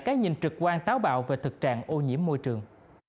cái nhìn trực quan táo bạo về thực trạng ô nhiễm môi trường